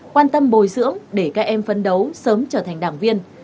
quan tâm bồi dưỡng để các em phấn đấu sớm trở thành đảng viên